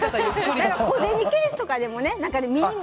小銭ケースとかでもね。